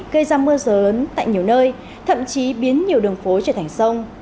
gây ra mưa dớn tại nhiều nơi thậm chí biến nhiều đường phố trở thành sông